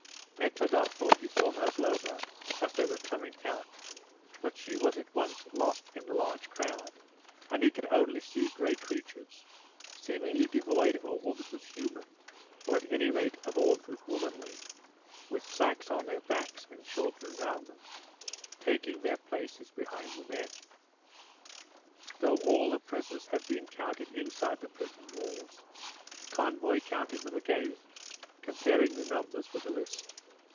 Nekhludoff thought he saw Maslova as they were coming out, but she was at once lost in the large crowd, and he could only see grey creatures, seemingly devoid of all that was human, or at any rate of all that was womanly, with sacks on their backs and children round them, taking their places behind the men. Though all the prisoners had been counted inside the prison walls, the convoy counted them again, comparing the numbers with the list.